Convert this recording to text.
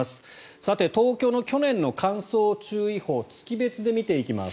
さて、東京の去年の乾燥注意報を月別で見ていきます。